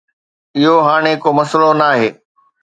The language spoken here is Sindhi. اهو هاڻي ڪو مسئلو ناهي